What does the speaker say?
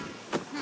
何？